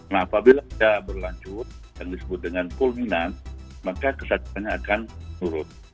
nah apabila dia berlanjut yang disebut dengan pulminan maka kesatuan akan turut